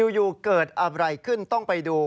อยู่เกิดอะไรขึ้นต้องไปดู